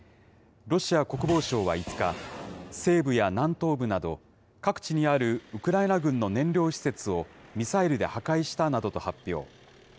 ロシア国防省は５日、西部や南東部など、各地にあるウクライナ軍の燃料施設をミサイルで破壊したなどと発表。